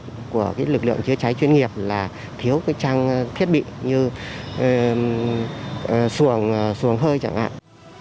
cái khó khăn nhất của lực lượng chứa trái chuyên nghiệp là thiếu trang thiết bị như xuồng hơi chẳng hạn